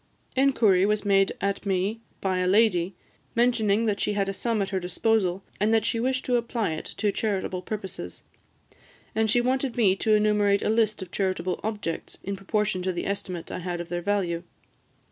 Inquiry was made at me by a lady, mentioning that she had a sum at her disposal, and that she wished to apply it to charitable purposes; and she wanted me to enumerate a list of charitable objects, in proportion to the estimate I had of their value.